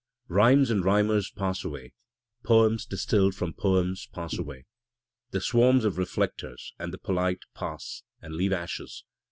Rhymes and rhymers pass away, poems distilled from poems pass away. The swarms of reflectors and the polite pass, and leave ashes.